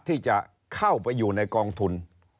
ที่จะเข้าไปอยู่ในกองทุน